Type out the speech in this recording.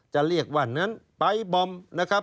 จะเรียกว่าไปร์ท์บอมนะครับ